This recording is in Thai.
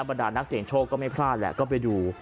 บรรดานักเสียงโชคก็ไม่พลาดแหละก็ไปดู